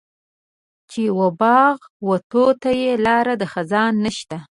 چې و باغ وته یې لار د خزان نشته.